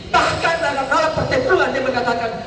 bahkan dalam dalam pertempuran dia mengatakan